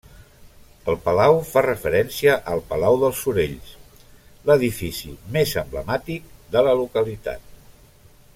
El palau fa referència al palau dels Sorells, l'edifici més emblemàtic de la localitat.